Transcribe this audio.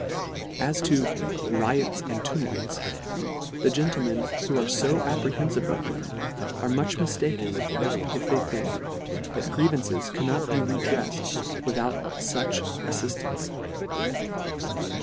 As to "riots and tumults," the gentle men who are fo apprehenfive of them, are much miftaken, if they think, that grievan ces cannot be redrefled without fuch aftift ance.